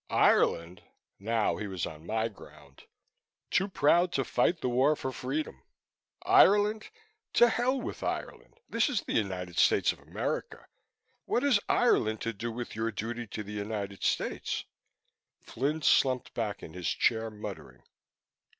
"Ireland?" Now he was on my ground. "Too proud to fight the war for freedom. Ireland? To hell with Ireland! This is the United States of America. What has Ireland to do with your duty to the United States?" Flynn slumped back in his chair, muttering.